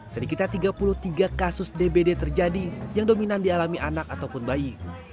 sedikitnya tiga puluh tiga kasus dbd terjadi yang dominan dialami anak ataupun bayi